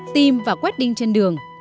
tìm và quét đinh trên đường